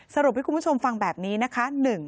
สรุปให้คุณผู้ชมฟังแบบนี้นะคะ